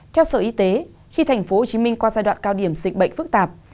theo sở y tế khi thành phố hồ chí minh qua giai đoạn cao điểm dịch bệnh phức tạp